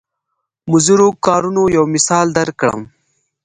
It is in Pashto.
مضرو کارونو یو مثال درکړم.